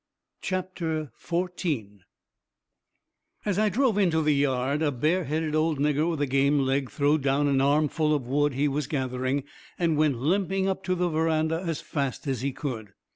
CHAPTER XIV As I drove into the yard, a bare headed old nigger with a game leg throwed down an armful of wood he was gathering and went limping up to the veranda as fast as he could.